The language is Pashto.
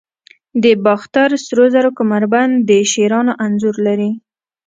د باختر سرو زرو کمربند د شیرانو انځور لري